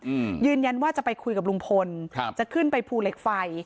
อืมยืนยันว่าจะไปคุยกับลุงพลครับจะขึ้นไปภูเหล็กไฟ